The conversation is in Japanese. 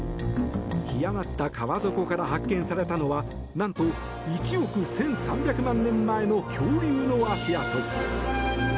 干上がった川底から発見されたのはなんと１億１３００万年前の恐竜の足跡。